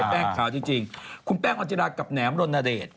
แป้งขาวจริงคุณแป้งออนจิรากับแหนมรณเดช